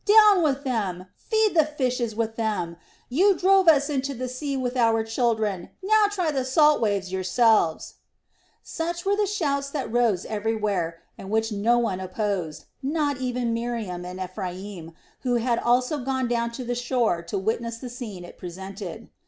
Down with them! Feed the fishes with them! You drove us into the sea with our children, now try the salt waves yourselves!" Such were the shouts that rose everywhere, and which no one opposed, not even Miriam and Ephraim, who had also gone down to the shore to witness the scene it presented.